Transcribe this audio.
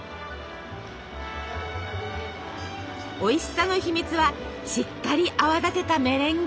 おいしさの秘密はしっかり泡立てたメレンゲ。